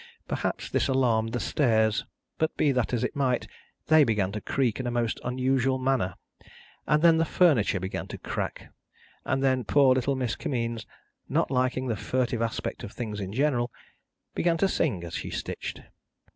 Perhaps this alarmed the stairs; but be that as it might, they began to creak in a most unusual manner, and then the furniture began to crack, and then poor little Miss Kimmeens, not liking the furtive aspect of things in general, began to sing as she stitched.